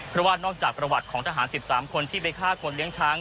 เพราะว่านอกจากประวัติของทหาร๑๓คนที่ไปฆ่าคนเลี้ยงช้าง